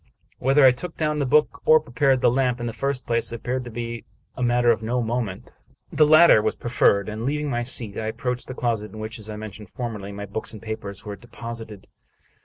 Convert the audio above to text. Whether I took down the book, or prepared the lamp in the first place, appeared to be a matter of no moment. The latter was preferred, and, leav ing my seat, I approached the closet in which, as I mentioned formerly, my books and papers were deposited.